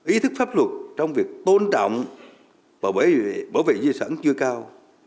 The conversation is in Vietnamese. ý thức pháp luật trong việc tôn trọng và bảo vệ di sản chưa cao